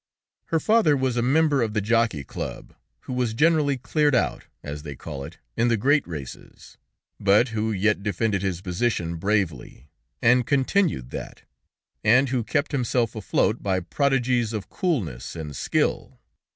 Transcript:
Her father was a member of the Jockey Club, who was generally cleared out, as they call it, in the great races, but who yet defended his position bravely, and continued that, and who kept himself afloat by prodigies of coolness and skill.